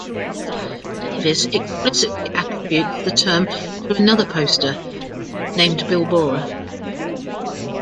Davis explicitly attributes the term to another poster named Bill Bohrer.